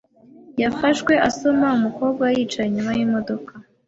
Yafashwe asoma umukobwa wicaye inyuma yimodoka.